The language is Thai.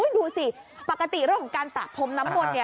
ดูสิปกติเรื่องของการประพรมน้ำมนต์เนี่ย